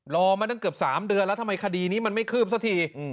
รอมาตั้งเกือบ๓เดือนแล้วทำไมคดีนี้มันไม่คืบสักที